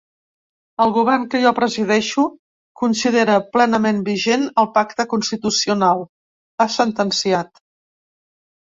El govern que jo presideixo considera plenament vigent el pacte constitucional, ha sentenciat.